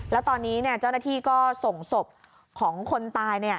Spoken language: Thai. แล้วตอนนี้เจ้าหน้าที่ก็ส่งศพของคนตาย